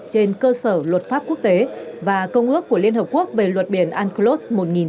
trên cơ sở luật pháp quốc tế và công ước của liên hợp quốc về luật biển unclos một nghìn chín trăm tám mươi hai